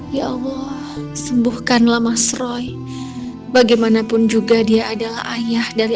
ya allah sembuhkanlah mas roy bagaimanapun juga dia adalah ayah dari